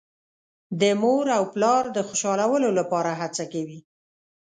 د مور او پلار د خوشحالولو لپاره هڅه کوي.